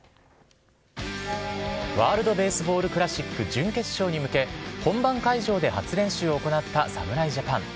ワールドベースボールクラシック準決勝に向け、本番会場で初練習を行った侍ジャパン。